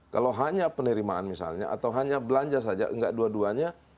kalau hanya penerimaan misalnya atau hanya belanja saja nggak dua duanya